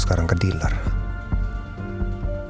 baik baik saja untuklarat